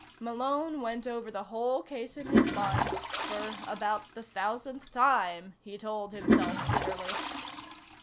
Malone went over the whole case in his mind for about the thousandth time, he told himself bitterly.